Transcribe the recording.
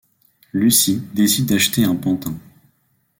Lucy décide d'acheter un pantin.